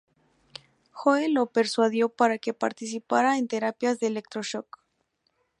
Hoe lo persuadió para que participara en terapias de electro shock.